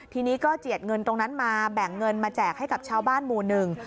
ทีนี้ก็เจียดเงินตรงนั้นมาแบ่งเงินมาแจกให้กับชาวบ้านหมู่หนึ่ง